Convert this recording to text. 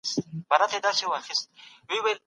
د کار ځواک روزنه د پرمختګ کچه لوړوي.